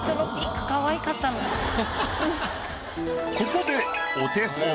ここで。